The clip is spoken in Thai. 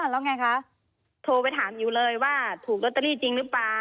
แล้วไงคะโทรไปถามอิ๋วเลยว่าถูกลอตเตอรี่จริงหรือเปล่า